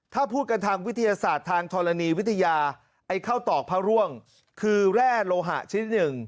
ถ้าพูดกันทางวิทยาศาสตร์ทางธรณีวิทยาไอ้ข้าวตอกพระร่วงคือแร่โลหะชิ้นหนึ่ง